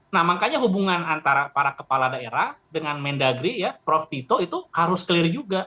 nah makanya hubungan antara para kepala daerah dengan mendagri ya prof tito itu harus clear juga